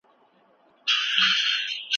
د مور شيدې خپله روغتيا پياوړې کوي